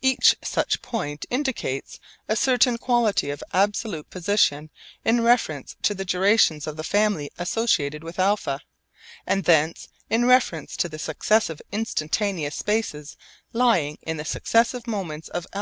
Each such point indicates a certain quality of absolute position in reference to the durations of the family associated with α, and thence in reference to the successive instantaneous spaces lying in the successive moments of α.